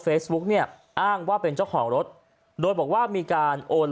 เนี่ยอ้างว่าเป็นเจ้าของรถโดยบอกว่ามีการโอน